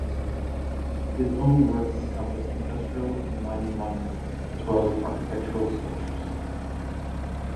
His own work encompassed industrial and mining monuments as well as architectural sculptures.